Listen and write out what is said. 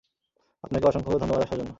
আপনাকে অসংখ্য ধন্যবাদ আসার জন্য!